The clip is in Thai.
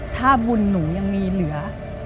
ถ้าบุญหนูยังมีเหลือ